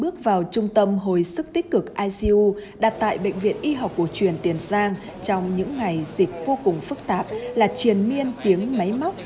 bước vào trung tâm hồi sức tích cực icu đặt tại bệnh viện y học cổ truyền tiền giang trong những ngày dịch vô cùng phức tạp là triền miên tiếng máy móc